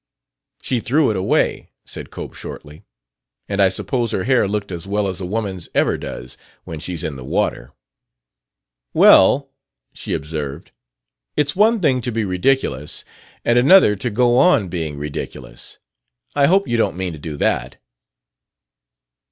"She threw it away," said Cope shortly. "And I suppose her hair looked as well as a woman's ever does, when she's in the water." "Well," she observed, "it's one thing to be ridiculous and another to go on being ridiculous. I hope you don't mean to do that?"